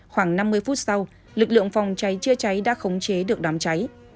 khoảng năm mươi phút sau lực lượng phòng cháy chữa cháy đã khống chế được đám cháy